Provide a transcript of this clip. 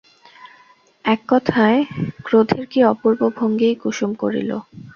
একথায় ক্রোধের কী অপূর্ব ভঙ্গিই কুসুম করিল!